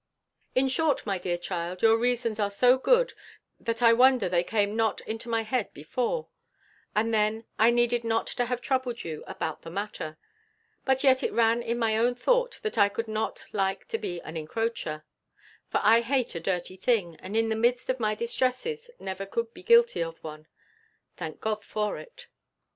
In short, my dear child, your reasons are so good, that I wonder they came not into my head before, and then I needed not to have troubled you about the matter: but yet it ran in my own thought, that I could not like to be an encroacher: for I hate a dirty thing; and, in the midst of my distresses, never could be guilty of one. Thank God for it.